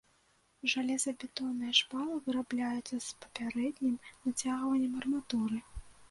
Жалезабетонныя шпалы вырабляюцца з папярэднім нацягваннем арматуры.